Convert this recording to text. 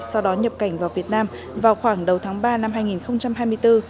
sau đó nhập cảnh vào việt nam vào khoảng đầu tháng ba năm hai nghìn hai mươi bốn